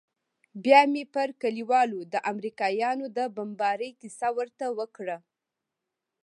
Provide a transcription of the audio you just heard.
بيا مې پر کليوالو د امريکايانو د بمبارۍ کيسه ورته وکړه.